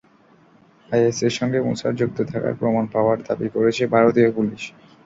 আইএসের সঙ্গে মুসার যুক্ত থাকার প্রমাণ পাওয়ার দাবি করেছে ভারতীয় পুলিশ।